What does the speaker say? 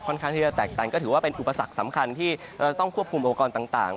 ข้างที่จะแตกตันก็ถือว่าเป็นอุปสรรคสำคัญที่เราจะต้องควบคุมองค์กรต่าง